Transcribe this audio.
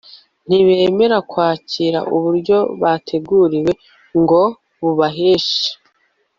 Ntibemera kwakira uburyo bateguriwe ngo bubaheshe